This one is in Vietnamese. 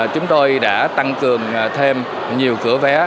chúng tôi đã tăng cường thêm nhiều cửa vé